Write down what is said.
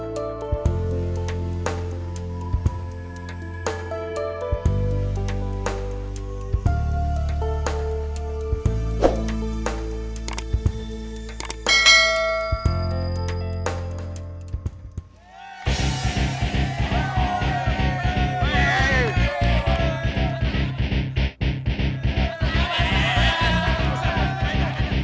ya itu komplik plate implementasi aja nah